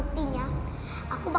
apakah jurnalnya bisa catastrophic